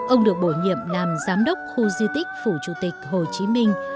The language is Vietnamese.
ông được bổ nhiệm làm giám đốc khu di tích phủ chủ tịch hồ chí minh